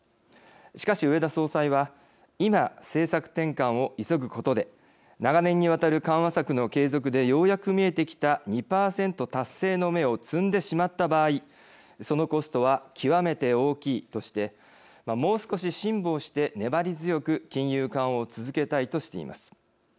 しかし、植田総裁は今、政策転換を急ぐことで長年にわたる緩和策の継続でようやく見えてきた２％達成の芽を摘んでしまった場合そのコストは極めて大きいとしてもう少し辛抱して粘り強く金融緩和を続けたいとしています。